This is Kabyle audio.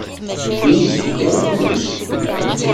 Ur yi-d-teḥka ara kullec.